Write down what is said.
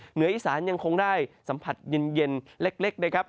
เหนืออีสานยังคงได้สัมผัสเย็นเล็กนะครับ